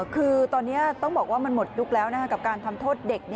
คือตอนนี้ต้องบอกว่ามันหมดยุคแล้วกับการทำโทษเด็ก